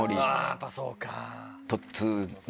やっぱそうか。突入。